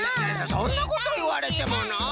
そそんなこといわれてものう。